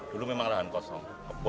dulu memang lahan kosong